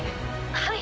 はい。